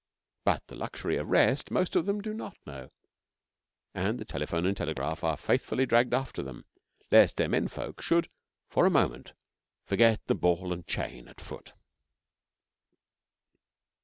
But the luxury of rest most of them do not know; and the telephone and telegraph are faithfully dragged after them, lest their men folk should for a moment forget the ball and chain at foot.